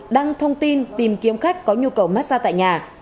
đăng thông tin tìm kiếm khách có nhu cầu mát xa tại nhà